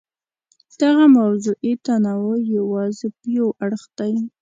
دغه موضوعي تنوع یې یوازې یو اړخ دی.